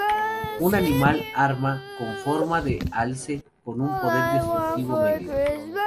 Un animal-arma con forma de alce con un poder destructivo medio.